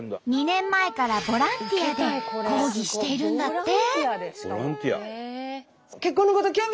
２年前からボランティアで講義しているんだって。